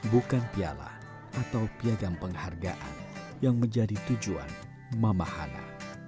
bukan piala atau piagam penghargaan yang menjadi tujuan mama hana